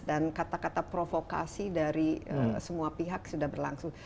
dan kata kata provokasi dari semua pihak sudah berlangsung